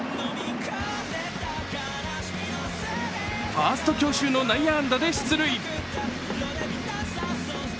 ファースト強襲の内野安打で出塁。